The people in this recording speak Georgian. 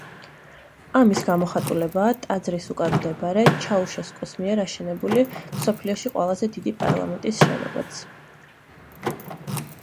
ამის გამოხატულებაა ტაძრის უკან მდებარე ჩაუშესკუს მიერ აშენებული მსოფლიოში ყველაზე დიდი პარლამენტის შენობაც.